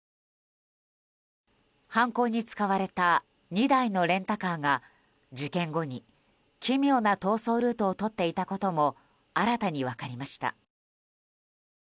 犯行に使われた２台のレンタカーが事件後に奇妙な逃走ルートをとっていたことも新たに分かりました。